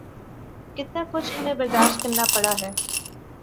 کتنا کچھ ہمیں برداشت کرنا پڑا ہے۔